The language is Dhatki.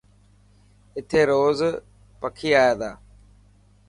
اٿي روز پکي آئي تا.